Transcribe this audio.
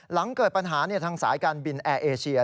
หลังเกิดปัญหาทางสายการบินแอร์เอเชีย